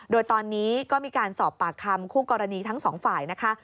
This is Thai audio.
โดยตอนนี้ก็มีการสอบปากคำคู่กรณีทั้งสองฝ่ายนะคะ